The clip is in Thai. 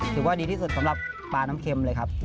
ถือว่าดีที่สุดสำหรับปลาน้ำเค็มเลยครับ